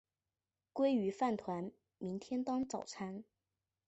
鲑鱼饭团明天当早餐